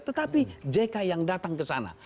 tetapi jk yang datang kesana